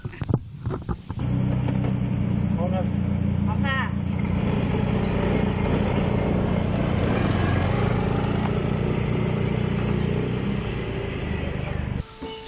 พร้อมค่ะ